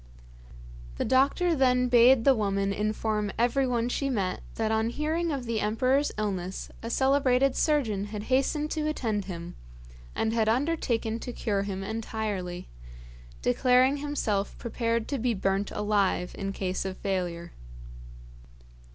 The doctor then bade the woman inform everyone she met that on hearing of the emperor's illness a celebrated surgeon had hastened to attend him, and had undertaken to cure him entirely; declaring himself prepared to be burnt alive in case of failure.